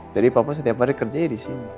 jadi papa setiap hari kerjanya disini